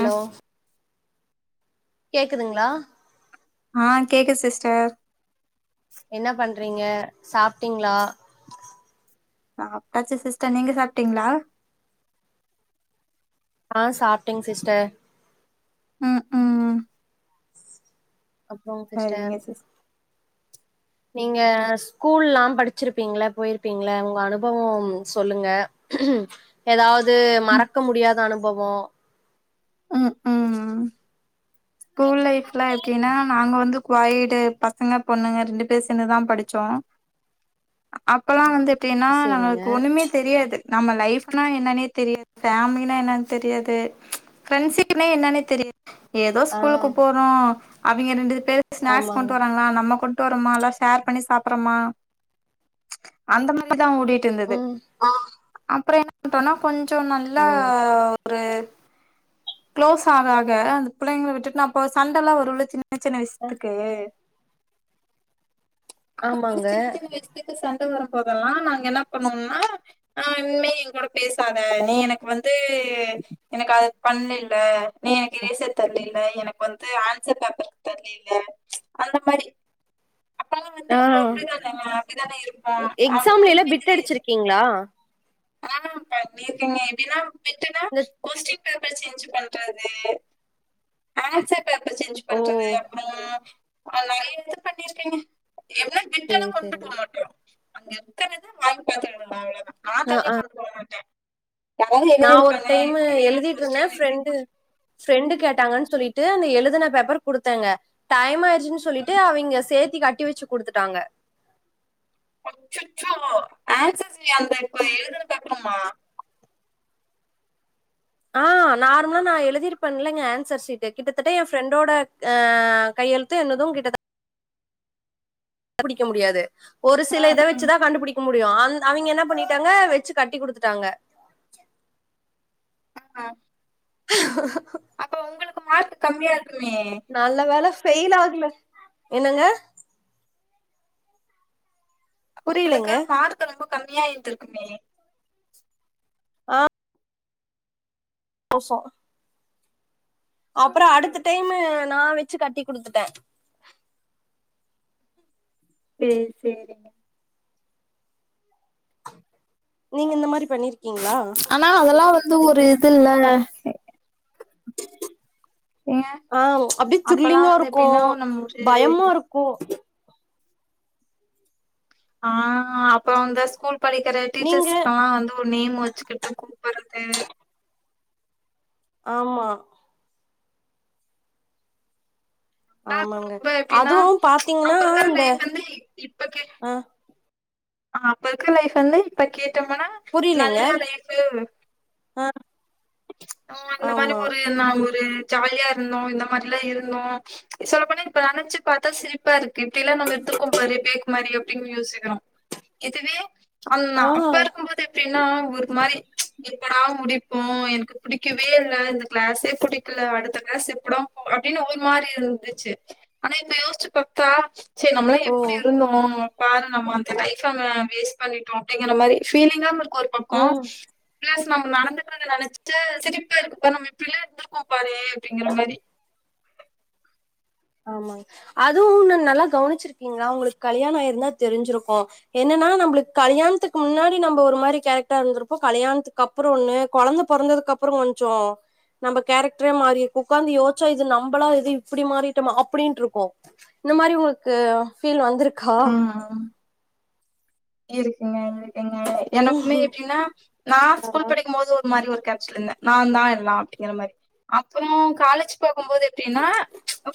அ கேக்குதுங்ளா ஆ கேக்குது சிஸ்டர் என்ன பண்றீங்க சாப்ட்டீங்ளா சாப்ட்டாச்சு சிஸ்டர் நீங்க சாப்ட்டீங்ளா ஆ சாப்ட்டேங் சிஸ்டர் ம் ம் அப்புறோங் சரிங்க சிஸ்டர் சிஸ் நீங்க ஸ்கூல்லாம் படிச்சிருப்பீங்ள போயிருப்பீங்ள உங்க அனுபவம் சொல்லுங்க ஏதாவ்து ம் மறக்க முடியாத அனுபவோ ம் ம் ஸ்கூல் லைஃப்லா எப்டின்னா நாங்க வந்து குயாடு பசங்க பொண்ணுங்க ரெண்டு பேர் சேந்துதா படிச்சோ அப்பல்லா வந்து எப்டின்னா செரிங்க நாங்க ஒண்ணுமே தெரியாது நம்ம லைஃப்னா என்னனே தெரியாது ஃபேமிலினா என்னன் தெரியாது கன்ஸீவ்னா என்னன்னே தெரியாது யாது ஆ ஸ்கூலுக்கு போறோ அவிங்க ரெண்டு பேர் ஸ்நாக்ஸ் ஆமாங்க கொண்ட்டு வராங்ளா நம்ம கொண்ட்டு வரோமா எல்லா ஷேர் பண்ணி சாப்பிறமா அந்த மாரிதா ஓடிட்டு இருந்தது ம் அப்புறொ என்ன ட்டோனா கொஞ்சொ நல்லா ஓ ஒரு க்ளோஸ் ஆக ஆக அந்த பிள்ளைங்கள விட்டுட்டு நாபோ சண்டல்லா வருள்ள சின்ன சின்னசின்ன விஷயத்துக்கு அந்த மாரி ஆமாங்க சின்ன சின்ன விஷயத்துக்கு சண்ட வரம்போதெல்லா நாங்க என்ன பண்ணோனா ஆ இனிமே நீ என் கூட பேசாத நீ எனக்கு வந்து து எனக்கு அது பண்ணில நீ எனக்கு எரேசர் தரல இல்ல வந்து ஆன்சர் பேப்பரு தரல இல்ல அந்த மாரி அப்பல்லா வந்து ஆ அப்டிதான அப்டிதான இருப்போ அவனுக்கு எக்ஸாம்ல எல்லா ஒண்ணுமே பிட் தெரியாது அடிச்சிருக்கீங்ளா ஆ பண்ணிருக்கேங்க எப்டின்னா பிட்டுனா இந்த கொஸ்டின் பேப்பர் சேஞ்சு பண்றது ஆன்சர் பேப்பர் சேஞ்சு ஓ பண்றது அப்றோ அது நறயா இது பண்ணிருக்கேங்க எவ்ள சேரி சேரிங்க அங்க எத்தனதா வாங்கி பாத்துக்க அவ்ளதா நா ஆ தனியா ஆ பண்ணள்ளா மாட்ட நா ஒரு டைம்மு எழுதிட்ருந்த கொஸ்டின் ஃப்ரெண்டு எழுதியிருப்பாங்க. ஃப்ரெண்டு கேட்டாங்கன் சொல்லிட்டு அந்த எழுதின பேப்பர் குடுத்தங்க டைம் ஆயிச் னு சொல்லிட்டு ம். அவிங்க சேத்தி கட்டி வெச்சு குடுத்துட்டாங்க அச்செச்சோ ஆன்சஸ் அந்த இப்ப எழுதுன பேப்பருமா ஆ நார்மலா நா எழுதிருப்பன்லங்க ஆன்சர் சீட்டு கிட்டத்தட்ட எ ஃப்ரெண்டோட அ கையொழு து என்னது கிட்டதட்ட கண்டுபிடிக்க முடியாது ஒரு சில ம், இத ம். வெச்சுதா கண்டுபிடிக்க முடியு அந் அவிங்க என்ன பண்ணிட்டாங்க வெச்சு கட்டி குடுத்துட்டாங்க அ ம் இப்ப உங்களுக்கு மார்க் கம்மியா இருக்குமே நல்ல வேல ஃபெயில் ஆகல புரியலைங்க உங்களுக்கு மார்க் ரொம்ப கம்மியா இருந்துருக்குமே ஆ தோசோ அப்ரோ அடுத்த டைமு நா வெச்சு கட்டி குடுத்துட்ட சேர் சேரி நீங்க இந்த மாரி பண்ணிருக்கீங்ளா அனா அதெல்லா வந்து ஒரு இது இல்ல ஏங்க ஆ அப்டியே அப்பல்லா திருலிங்கா வந்து இருக்கு எப்டின்னா நம்ம ஒரு பயமா இருக்கு ஆ அப்போ அந்த ஸ்கூல் படிக்கற நீங்க டீச்சர்ஸ் ஆ வந்து ஒரு நேம் வச்சுக்கிட்டு கூப்பட்றது ஆமா நா ஆமாங்க குறும்பு அப்டினா அதுவு பாத்தீங்கன்னா இந்த ஆ ஆ அப்ப இருக்க லைஃப் வந்து இப்ப கேட்டம்னா புரிலைங்க நம்ம இந்த மாரி ஒரு நா ஒரு ஜாலியா இருந்தோ இந்த மாரிலா இருந்தோ சொல்ல போனா இப்ப நெனச்சு பாத்தா சிரிப்பா இருக்கு இப்டியெல்லா நம்ம இருந்துருக்கோ பாரு பேக்கு மாரி அப்டின்னு யோசிக்கறோ இதுவே அ ஆ அப்ப இருக்கும்போது எப்டின்னா ஒரு மாரி எப்படா முடிப்போ எனக்கு பிடிக்கவே இல்ல இந்த கிளாஸே பிடிக்கல அடுத்த கிளாஸ் எப்படோ அப்டின்னு ஒரு மாரி இருந்துச்சு ஆனா இப்ப யோசிச்சு பாத்தா ச்சே நம்மளா ஓ எப்புடி இருந்தோ பாரு நம்ம அந்த லைப்ப நம்ம வேஸ்ட் பண்ணிட்டோ அப்டிங்கற மாரி ஃபீலிங்காவு இருக்கு ஒரு பக்கோ ம் பிளஸ் நம்ம நடந்துக்கறத நெனச்சிட்டு சிரிப்பா இருக்குப்பார் நம்ம இப்டியெல்லா இருந்துருக்கோ பாரே அப்டிங்கற மாரி ஆமாங் அதுவு ஒன்னு நல்லா கவுனிச்சிருக்கிங்ளா உங்களுக்கு கல்யாணோ ஆயிருந்தா தெரிஞ்சிருக்கோ என்னன்னா நம்பளுக்கு கல்யாணத்துக்கு முன்னாடி நம்ப ஒரு மாரி கேரக்டரா இருந்துருப்போ கல்யாணத்துக்கு அப் அப்புறோ ஒண்ணு கொழந்த பொறந்ததுக்கு அப்றோ கொஞ்சோ நம்ப கேரக்டரே மாரிருக்கு உக்காந்து யோச்சா இது நம்பளா இது இப்டி மாரிருக் ட்டோமா அப்டின்ட்ருக்கு இந்த மாரி உங்களுக்கு ஃபீல் வந்துருக் ம் ம் இருக்குங்க இருக்குங்க எனக்குமே எப்டின்னா நா ஆ ஸ்கூல் படிக்கும்போது ஒ ரு மாரி ஒரு கேச்சல இருந்த நா தா எல்லா அப்டிங்கற மாரி அப்றோ காலேஜ் போகும்போது எப்டின்னா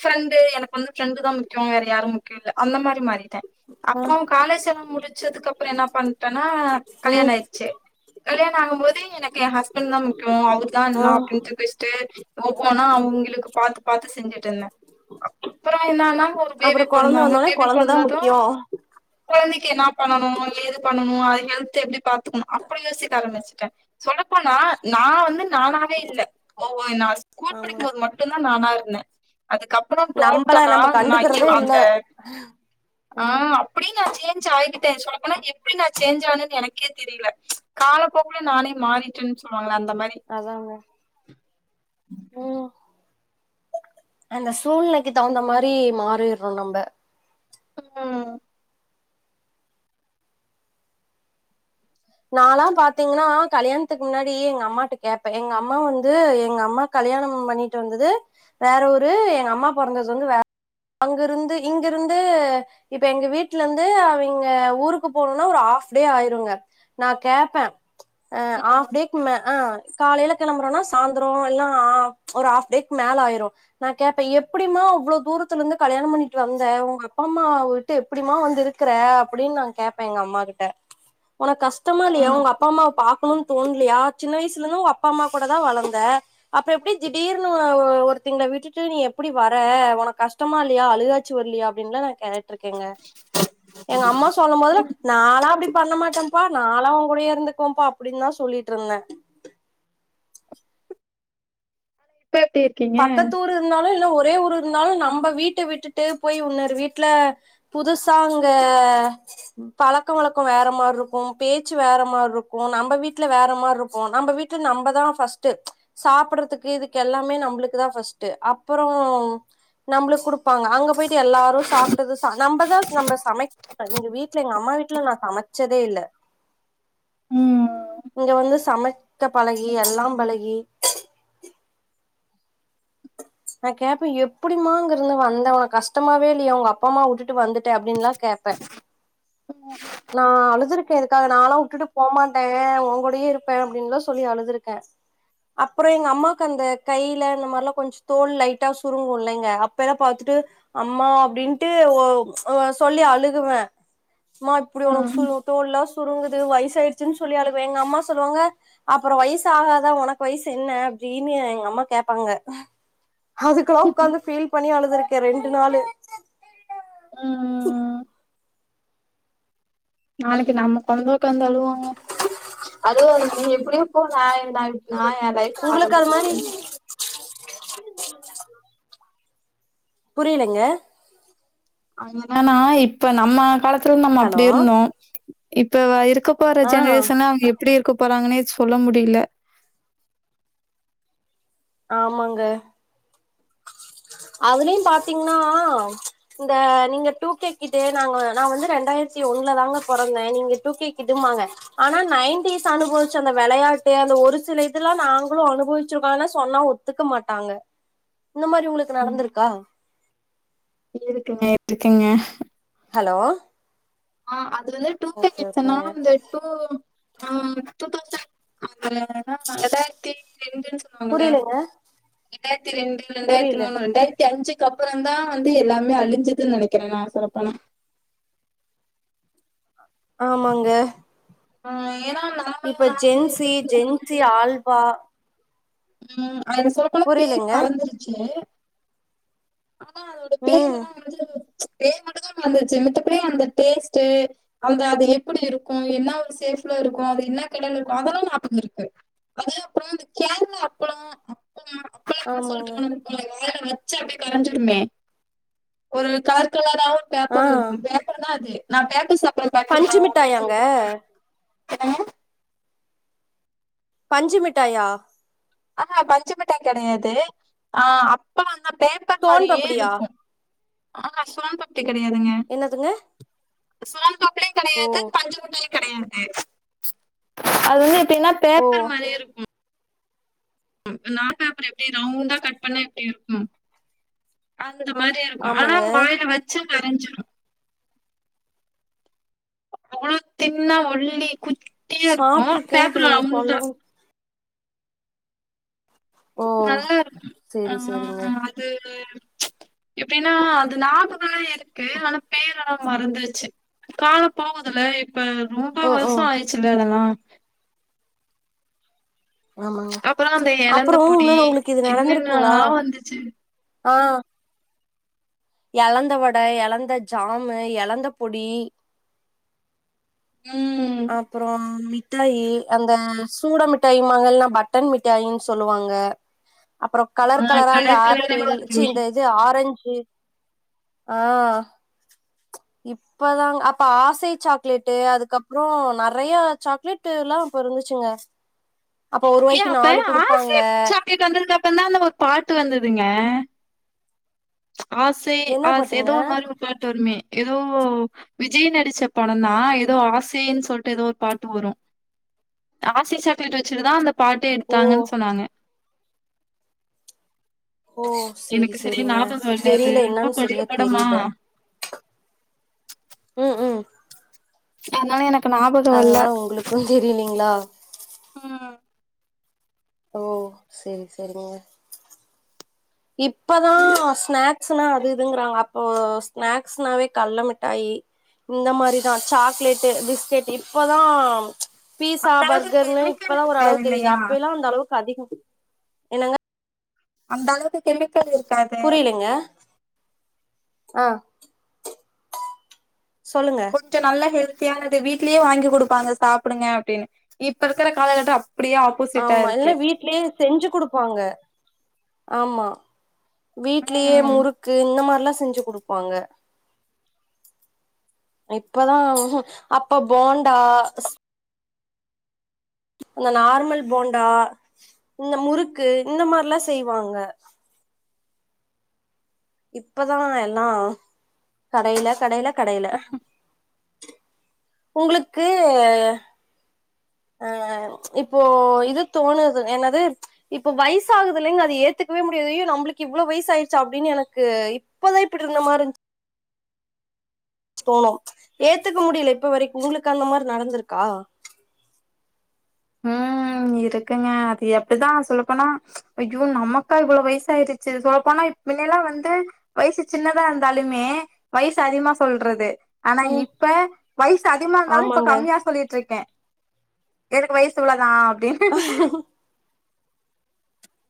ஃப்ரெண்டு எனக்கு வந்து ஃப்ரெண்டு தா முக்கியோ வேற யாரு முக்கியோ இல்ல அந்த மாரி மாறிட்ட ஆ அப்றோ காலேஜ் செம் முடி ச்சதுக்கு அப்றோ என்ன பண்ட்டனா கல்யாணோ ம் ஆயிருச்சு கல்யாணோ ஆகும் போது எனக்கு என் ஹஸ்பண்ட் தா முக்கியோ அவுர் தா எல்லா ஆ அப்டின்டு பேஸ்டு ஒவ்வொன்னா அவுங்களுக்கு பாத்து பாத்து செஞ்சிட்டுந்த அப்பறோ என்னன்னா ஒரு அப்புறோ பேபி கொழந்த பொறந்தாங்க வந்தோனே பேபி கொழந்ததா பொறந்தது முக்கியோ கொழந்தைக்கு என்னா பண்ணனு ஏது பண்ணனு அது ஹெல்த் எப்டி பா ம் அப்டி யோசிக்க ஆரம்பிச்சுட்ட சொல்லப்போனா நா வந்து நானா வே இல்ல ஒவ்வொய் நா ஸ்கூல் படிக்கும்போது மட்டுந் தா நானா இருந்தே அதுக்க ப்றோ நம்பள டோட்டலா நம்ம நா யு கண்டுக்கறதே இல்ல அந்த ஆ ம் அப்டியே நா சேஞ்ச் ஆய் ட்ட சொல்ல போனா எப்டி நா சேஞ்ச் ஆனன் எனக்கே தெரில காலப்போக்குல நானே மாறிட்டேன் சொல்லுவாங்கள அந்த மாரி அதாங்க ம் அந்த சூழ்நிலைக்கு தகுந்த மாரி மாறிர்றோ நம்ப ம் நாலா பாத்தீங்ன்னா கல்யாணத்துக்கு முன்னாடி எங்க அம்மாட்ட கேப்ப எங்க அம்மா வந்து எங்க அம்மா கல்யாணம் பண்ணிட்டு வந்தது வேற ஊரு எங்க அம்மா பொறந்தது வந்து வே அங்கிருந்து இங்கிருந்து இப்ப எங்க வீட்ல இந்து அவிங்க ஊருக்கு போனோன்னா ஒரு ஹாஃப் டே ஆயிருங்க நா கேப்பே அ ஆஃப்டே க்கு மே அ காலைல கிளம்புறோன்னா சாந்ரோ இல்லன்னா ஒரு அ ஹாஃப் டேக் மேல ஆயிரு நா கேப்ப எப்டிம்மா அவ்ளோ தூரத்துல இருந்து கல்யாணோ பண்ணிட்டு வந்த உங்க அப்பா அம்மா விட்டு எப்டிம்மா வந்து இருக்கற அப்டின்னு நா கேப்ப எங்க அம்மா கிட்ட ஒனக்கு கஷ்டமா இல்லையா ம் உங்கப் ப்பா அம்மாவப் பாக்கணுன் தோண்லயா சின்ன வயசுலந்து உங்க அப்பா அம்மா கூட தா வளந்த அப்ற எப்டி திடீர்னு ஒ ஒருத்திங்ள விட்டுட்டு நீ எப்டி வர ஒனக்கு கஷ் டமால்லையா அழுகாச்சி வரலைய்யா அப்டின்ல்லா நா கே ட்ருக்கங்க எங்க அம்மா சொல்லம் போதுலா ம் நாலா அப்டி பண்ண மாட்ட நாலா உ கூடயே இருந்துக்குவப்பா அப்டின் தா சொல்லிட்ருந்த ப்ப எப்டி பக்கத்து ஊரு இருந்தாலு இல்ல ஒரே ஊர் இருந்தாலு நம்ம வீட்ட விட்டுட்டு போய் உன்னரு வீட்ல புதுசா அங்க பழக்க வழக்கோ வேற மார்ருக்கு பேச்சு வேற மார்ருக்கு நம்ம வீட்ல வேற மார்ருக்கு நம்ம வீ ட்டு நம்ம தா ஃபர்ஸ்ட்டு சாப்பட்றதுக்கு இதுக்கு எல்லாமே ந ம்ளுக்கு தா ஃபர்ஸ்ட்டு அப்பறோம் நம்ளுக்கு குடுப்பாங்க அங்க போயிட்டு எல்லாரு சாப்ட்டது நம்மதா நம்ம சமை வீட்ல எங்க வீட்ல எங்க அம்மா வீட்ல நா சமைச்சதே இல்ல ம் இங்க வந்து சமைக்க பழகி எல்லாம் பழகி நான் கேப்பே எப்படிமா அங்கிருந்து வந்த உனக்கு கஷ்டமாவே இல்லையா உங்க அப்பா அமா வுட்டுட்டு வந்துட்ட அப்படின்லா கேப்ப [inaudible] நா அழுதுருக்கே இதுக்காக நாலா வுட்டுட்டு போமாட்டே உங்கூடயே இருப்பே அப்டின்லா சொல்லி அழுதுருக்கே அப்பறோ எங்க அம்மாக்கு அந்த கைல இந்த மார்லா கொஞ்ச தோல் லைட்டா சுருங்கு இல்லைங்க அப்பலா பாத்துட்டு அம்மா அப்டின்ட்டு ஓ சொல்லி அழுகுவ மா இப்புடி ஒனக்கு ம் சுரு தோல்லா சுருங்குது வயசாயிடுச்சுன் சொல்லி அழுவே எங்கம்மா சொல்லுவாங்க அப்பறோ வயசு ஆகாதா ஒனக்கு வயசு என்ன அப்டின்னு எங்க அம்மா கேப்பாங்க அதுக்கலா உக்காந்து ஃபீல் பண்ணி அழுதுருக்கே ரெண்டு நாளு ம் நாளைக்கு நம்ம கொழந்த உக்காந்து அழுவாங்க அதுவும்ந்த நீ எப்படியோ போ ந ந நா ஏ லைப் உங்களுக்கு அது மாரி புரியலைங்க ஆனா இப்ப நம்ம காலத்துலந்து நம்ம ஹலோ அப்படி இருந்தோ இப்ப இருக்க போர்ற ஆ ஜென்ரேஷன்லா அவங்க எப்படி இருக்க போறாங்கன்னே சொல்ல முடியல ஆமாங்க அதுலயும் பாத்தீங்கன்னா இந்த நீங்க டூ கே கிட்டு நாங்க நா வந்து ரெண்டாயிரத்தி ஒண்ணுல தாங்க பெறந்தே நீங்க டூ கே கிட்டும்பாங்க ஆனா நைன்டிஸ் அனுப்பவச்ச விளையாட்டு அந்த ஒரு சில இதுல்லா நாங்களு அனுபவிச்சிருக்கோ அதெல்லா சொன்னா கத்துக்க மாட்டாங்க இந்த மாரி உங்களுக்கு ம் நடந்திருக்கா இருக்குங்க இட்ருக்குங்க ஹலோ ஆ அது வந்து டூ கே ஓகே கிட்ஸ்ன்னா ஓகேங்க வந்து [unintelligible] ரெண்டாயிரத்தி ரெண்டு அவங்கள புரியலங்க ரெண்டாயிரத்தி ரெண்டு ரெண்டாயிரத்தி புரியல மூணு ரெண்டாயிரத்தி அஞ்சுக்கு அப்பறந்தா வந்து எல்லாமே அழிஞ்சதுன்னு நெனைக்கிறே நா சொல்ல போனா ஆமாங்க ஆ ஏனா நா இப்ப ஜென்சி ஜென்சி ஆல்வா ம் அது சொ புரியலைங்க குருச்சு ஆனா அதோட பேர் ம் எல்லா வந்து பேர் மட்டுந்தா மறந்துச்சி மத்தபடி அந்த டேஸ்ட்டு அந்த அது எப்படி இருக்கு என்ன சேஃப்ல இருக்கு அது என்ன கலர்ல இருக்கு அதெல்லா நாபக இருக்கு அது அப்பற இந்த கேரளா அப்பளோ [unintelligible] அ சொல்லிட்டு ஆமாங்க உன வாயால வச்சு அப்படியே கரைஞ்சடுமே ஒரு கார்கல்லாதா ஆ பேப்பர் இருக்கு பேப்பர்தா அது நா பேப்பர் சப்ளை பா பஞ்சு அப்படின்னு மிட்டாயாங்க சொல்லிட்டு போ [unintelligible] பஞ்சு மிட்டாயா ஆனா பஞ்சு மிட்டாய் கெடையாது ஆ அப்ப பே அப்ப சோன் மாரியே பப்டியா இருக்கு ஆனா சோன் பப்டி கெடையாதுங்க என்னதுங்க சோன் பப்டியு ஓ கெடையாது பஞ்சுமிட்டாயு கெடையாது அது வந்து எப்படின்னா ஓ பேப்பர் மாரி இருக்கும் நார் பேப்பர் எப்டி ரவுண்டா கட் பண்ண எப்டி இருக்கு அந்த மாரி இருக்கு ஆனா ஆமாங்க வாயில வச்சு கரைஞ்சிரு அவ்வளவு தின்னா ஒல்லி குத்தியா இருக்கு சாப்ட்ருக்கே இப்ப பேக்கல நீங்க ரவுண்டா சொல்லவு ஓ நல்லாருக்கு ஆ சேரி சேரிங்க அது எப்படின்னா அது நியாபகம்லா இருக்கு ஆனா பேரெல்லா மறந்துருச்சு காலம் போகுதுல இப்ப ரொம்ப ம் வருஷ ம் ஆயிடுச்சுல்ல அதெல்லா ஆமாங்க அப்புறோ அந்த அப்பற எலந்த பொடி இன்னொன்னு உங்களுக்கு இது நடந்திருக்குங்களா என்னென்னல்லா வந்துச்சு ஆ எழந்த வடை எழந்த ஜாம்மு எழந்த பொடி ம் அப்பறம் மிட்டாயி அந்த சூட மிட்டாயி மங்கனா பட்டன் மிட்டாயின்னு சொல்லுவாங்க [inaudible] அப்பற ஆ கலர் கலரா அந்த கலர் கலராவா ஆப்பிள் சி இருக்குமே இந்த இது ஆரஞ்சு ஆ இப் பதாங்க அப்ப ஆசை சாக்லேட்டு அதுக்கப்புறோ நெறைய சாக்லேட்டுல்லா அப்ப இருந்துச்சுங்க அப்ப ஏ ஒருவாய்க்கு அப்ப நாலு குடுப்பாங்க ஆசை சாக் லெட்டு வந்ததுக்கு அப்புறந் தா அந்த ஒரு பாட்டு வந்ததுங்க ஆசை என்ன ஆசை பாட்டுங்க ஏதோ ஒரு மாரி ஒரு பாட்டு வருமே ஏதோ விஜய் நடிச்ச படோந் தா ஏதோ ஆசைன்னு சொல்ட்டு ஏதோ ஒரு பாட்டு வரு ஆசை சாக்லேட்டு வெச்சுட்டுதா அந்த பாட்டே ஓ எடுத்தாங்கன்னு சொன்னாங்க ஓ சேரி எனக்கு சரிய சேரிங்க ஞாபகம் இல்ல அது தெரில ரொம்ப என்னன்னு பழைய சரியா படமா தெரில ம் ம் அதனால எனக்கு ஞாபக வல்ல க்கு தெரியலைங்ளா ம் ஓ செரி செரிங்க இப்பதா ஸ்நாக்ஸ்ன்னா அது இதுங்கறாங்க அப்போ ஸ்நாக்ஸ்னாவே கல்ல மிட்டாயி இந்த மாரிதா சாக்லேட்டு பிஸ்கெட் இப்பதா பீஸா அந்த அளவுக்கு பர்கருன்னு கெமிக்கல் இப்பதா ஒரு இருக்காது அளவு தெரியுது இல்லையா அப்பயெல்லா அந்த அளவுக்கு அதிக என்னங்க அந்தளவுக்கு கெமிக்கள் இருக்காது புரியலிங்க ஆ சொல்லுங்க கொஞ்ச நல்ல ஹெல்த்தியானது வீட்லயே வாங்கி குடுப்பாங்க சாப்புடுங்க அப்டின்னு இப்ப இருக்கிற காலகட்டம் அப்புடியோ ஆப் ஆமா இல்லா வீட்லயே செஞ்சு குடுப்பாங்க ஆமா வீட்லயே ம் முறுக்கு இந்த மாரில்லா செஞ்சு குடுப்பாங்க இப்பதா அப்ப போண்டா அந்த நார்மல் போண்டா இந்த முறுக்கு இந்த மாரிலா செய்வாங்க இப்பதா எல்லா கடையில கடையில கடையில உங்குளுக்கு ஆ இப்போ இது தோணுது என்னது இப்ப வயசுகுது இல்லைங்க அது ஏத்துக்கவே முடியாது ஐய்யோ இவ்ளோ வயசு ஆயிடுச்சா அப்டின்னு எனக்கு இப்பதா இப்புடி இருந்த மாரி இருந்துச் போனோ ஏத்துக்க முடியல இப்ப வரைக்கு உங்குளுக்கு அந்த மாரி நடந்திருக்கா ம் இருக்குங்க அது அப்டிதா சொல்ல போனா ஐய்யோ நமக்கா இவ்ளோ வயசு ஆயிருச்சி சொல்ல போனா இப் மின்ன எல்லா வந்து வயசு சின்னதா இருந்தாலுமே வயசு அதிகமா சொல்றது ஆனா ம் இப்ப வயசு அதிகமா இருந்தாலு இப்ப ஆமாங்க கம்மியா சொல்ட்டுருக்கே எனுக்கு வயசு இவ்ளோ தா அப்டின் ஆ